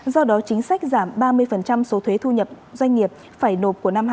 do đó chính sách giảm ba mươi số thuế thu nhập doanh nghiệp phải nộp của năm hai nghìn hai mươi